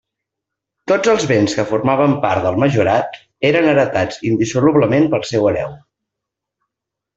Tots els béns que formaven part del majorat eren heretats indissolublement pel seu hereu.